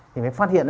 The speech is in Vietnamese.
thì mới phát hiện